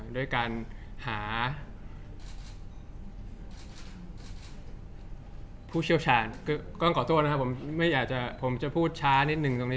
ด้วยการหาผู้เชี่ยวชาญก็ขอโทษนะครับผมไม่อยากจะผมจะพูดช้านิดนึงตรงนี้